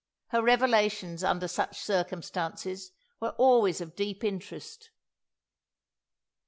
Her revelations, under such circumstances, were always of deep interest.